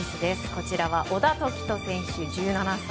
こちらは小田凱人選手、１７歳。